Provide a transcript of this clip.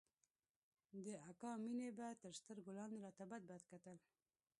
د اکا مينې به تر سترگو لاندې راته بدبد کتل.